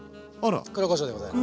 黒こしょうでございます。